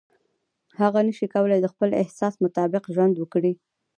هغه نشي کولای د خپل احساس مطابق ژوند وکړي.